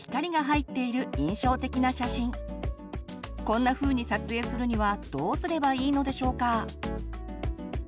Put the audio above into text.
こんなふうに撮影するにはどうすればいいのでしょうか？